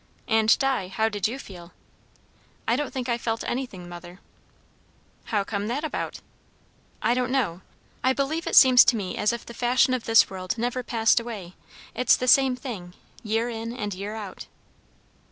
"And, Di, how did you feel?" "I don't think I felt anything, mother." "How come that about?" "I don't know. I believe it seems to me as if the fashion of this world never passed away; it's the same thing, year in and year out."